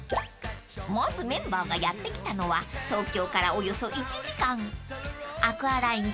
［まずメンバーがやって来たのは東京からおよそ１時間アクアライン